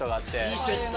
Ｂセット。